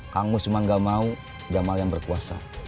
kang mus cuma gak mau jamal yang berkuasa